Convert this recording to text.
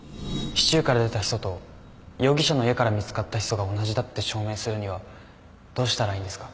シチューから出たヒ素と容疑者の家から見つかったヒ素が同じだって証明するにはどうしたらいいんですか？